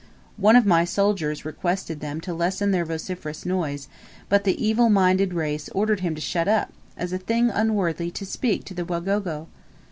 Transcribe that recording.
One of my soldiers requested them to lessen their vociferous noise; but the evil minded race ordered him to shut up, as a thing unworthy to speak to the Wagogo!